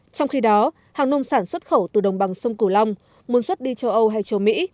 trong khi đó hàng nông sản xuất khẩu từ đồng bằng sông cửu long muốn xuất đi châu âu hay châu mỹ